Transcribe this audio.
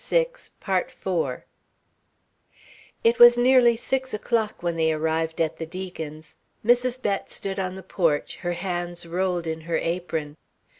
It was nearly six o'clock when they arrived at the Deacons'. Mrs. Bett stood on the porch, her hands rolled in her apron.